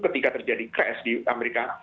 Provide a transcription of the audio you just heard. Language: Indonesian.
ketika terjadi crash di amerika